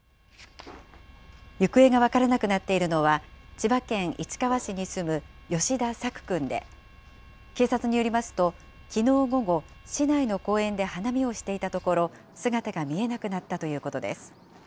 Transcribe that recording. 行方が分からなくなっているのは、千葉県市川市に住む吉田朔くんで、警察によりますと、きのう午後、市内の公園で花見をしていたところ、姿が見えなくなったということです。